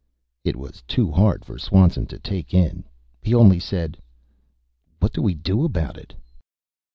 It was too hard for Swanson to take in. He only said: "What do we do about it?"